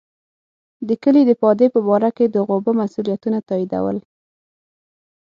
د کلي د پادې په باره کې د غوبه مسوولیتونه تاییدول.